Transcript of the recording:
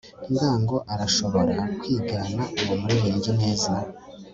ngango arashobora kwigana uwo muririmbyi neza